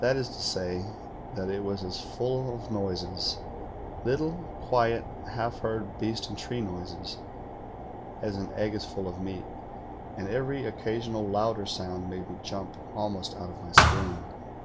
That is to say, that it was as full of noises — little, quiet, half heard beast and tree noises — as an egg is full of meat; and every occasional louder sound made me jump almost out of my skin.